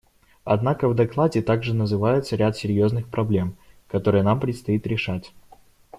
Однако в докладе также называется ряд серьезных проблем, которые нам предстоит решать.